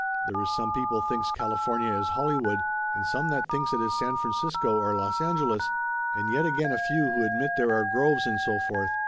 There is some people thinks California is Hollywood, and some that thinks it is San Francisco or Los Angeles, and yet again a few who admit there are groves, and so forth.